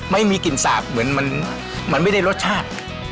ไม่มีกลิ่นสาบเหมือนมันไม่ได้รสชาติ